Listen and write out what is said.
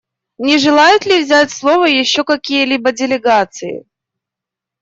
Не желают ли взять слово еще какие-либо делегации?